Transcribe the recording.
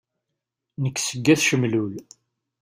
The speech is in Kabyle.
Nek seg At Cemlul.